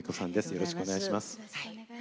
よろしくお願いします。